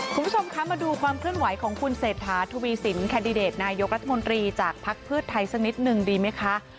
คุณผู้ชมคะมาดูความเคลื่อนไหวของคุณเศรษฐาทวีสินแคนดิเดตนายกรัฐมนตรีจากภักดิ์เพื่อไทยสักนิดนึงดีไหมคะ